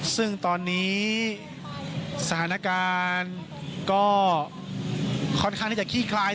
ซึ่งตอนนี้สถานการณ์ก็ค่อนข้างที่จะขี้คลาย